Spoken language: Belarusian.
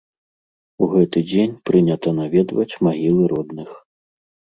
У гэты дзень прынята наведваць магілы родных.